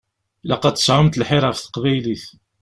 Ilaq ad tesɛumt lḥir ɣef teqbaylit.